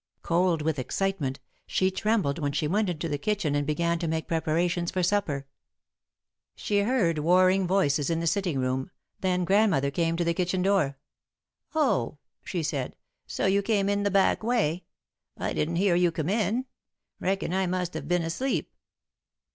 Cold with excitement, she trembled when she went into the kitchen and began to make preparations for supper. She heard warring voices in the sitting room, then Grandmother came to the kitchen door. [Sidenote: The Old Photograph] "Oh," she said. "So you came in the back way. I didn't hear you come in. Reckon I must have been asleep."